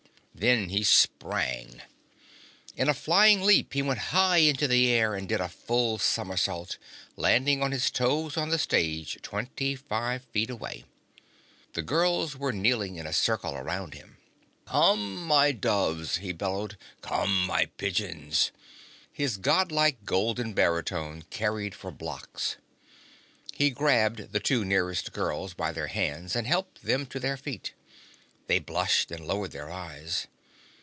Then he sprang. In a flying leap, he went high into the air and did a full somersault, landing on his toes on the stage, twenty five feet away. The girls were kneeling in a circle around him. "Come, my doves!" he bellowed. "Come, my pigeons!" His Godlike golden baritone carried for blocks. He grabbed the two nearest girls by their hands and helped them to their feet. They blushed and lowered their eyes.